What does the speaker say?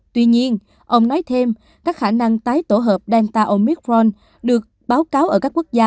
tuy nhiên ông nói thêm các khả năng tái tổ hợp delta omicron được báo cáo ở các quốc gia